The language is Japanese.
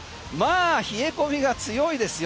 冷え込みが強いですよ。